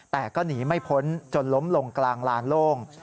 แต่ก็หนีไม่พ้นจนล้มลงกลางลานโล่ง